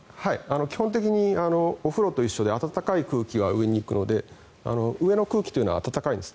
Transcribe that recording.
基本的にお風呂と一緒で暖かい空気が上に行くので上の空気というのは暖かいんです。